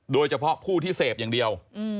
โดยเฉพาะผู้ที่เสพอย่างเดียว